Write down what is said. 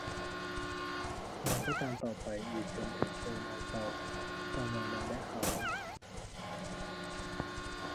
นางก็ตามต่อไปอีกจนถึงโพนางเซาต่อมานางได้ข่าวว่า